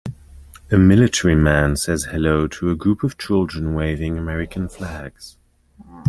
A military man says hello to a group of children waving American flags